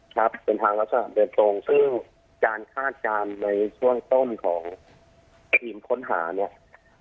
ครับเป็นทางลักษณะเดินตรงซึ่งการคาดการณ์ในช่วงต้นของทีมค้นหาเนี่ย